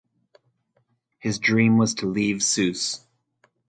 His dream was to leave Sousse.